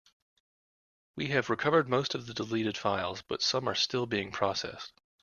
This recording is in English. We have recovered most of the deleted files, but some are still being processed.